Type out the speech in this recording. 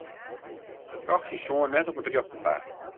It brocht syn soan net op it rjochte paad.